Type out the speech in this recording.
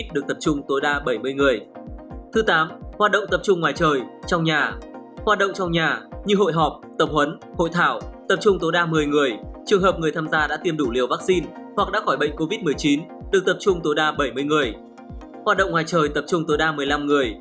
trường hợp người tham gia đã được tiêm đủ liều vaccine hoặc đã khỏi bệnh covid được tập trung tối đa bảy mươi người